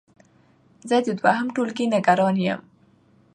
زه د دوهم ټولګی نګران يم